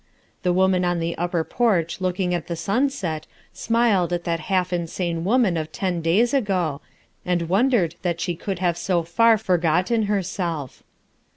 Hie woman on the upper porch looking at the sunset smiled at that half insane woman of ten days ago and wondered that she could have so far forgotten herself.